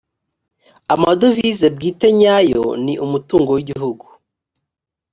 amadovize bwite nyayo ni umutungo wigihugu